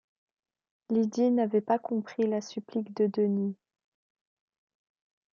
Lydie n’avait pas compris la supplique de Denis.